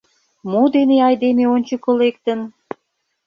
Мо дене айдеме ончыко лектын?